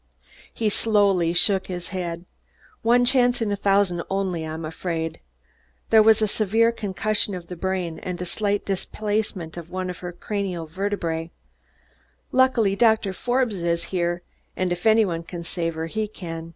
He slowly shook his head. "One chance in a thousand only, I'm afraid. There was severe concussion of the brain and a slight displacement of one of the cranial vertebra. Luckily, Doctor Forbes is here, and if any one can save her, he can."